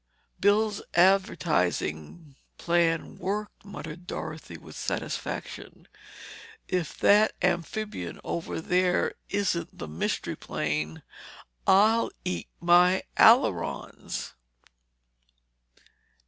"Bill's advertising plan worked," muttered Dorothy with satisfaction. "If that amphibian over there isn't the Mystery Plane, I'll eat my ailerons!"